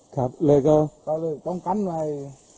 ครับเลยก็เลยต้องกั้นไว้